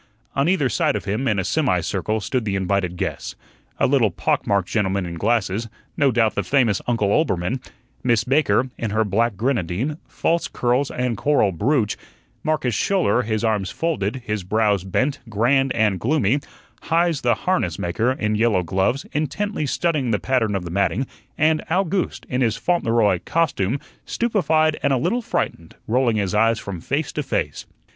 On either side of him, in a semi circle, stood the invited guests. A little pock marked gentleman in glasses, no doubt the famous Uncle Oelbermann; Miss Baker, in her black grenadine, false curls, and coral brooch; Marcus Schouler, his arms folded, his brows bent, grand and gloomy; Heise the harness maker, in yellow gloves, intently studying the pattern of the matting; and Owgooste, in his Fauntleroy "costume," stupefied and a little frightened, rolling his eyes from face to face.